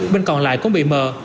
bên còn lại cũng bị mờ